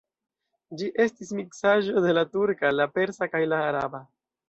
Ĝi estis miksaĵo de la turka, la persa kaj la araba.